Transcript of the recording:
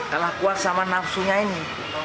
kalah kuat sama nafsunya ini